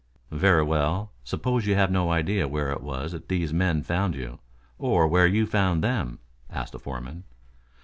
"Very well. Suppose you have no idea where it was that these men found you, or where you found them?" asked the foreman.